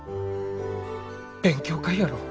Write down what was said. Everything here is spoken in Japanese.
勉強会やろう。